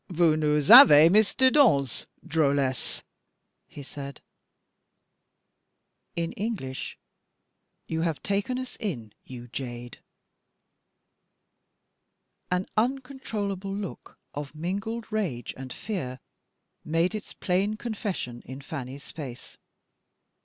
"Vous nous avez mis dedans, drolesse!"* he said. *In English: "You have taken us in, you jade!" An uncontrollable look of mingled rage and fear made its plain confession in Fanny's face.